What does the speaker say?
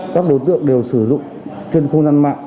các đối tượng đều sử dụng trên khu năng mạng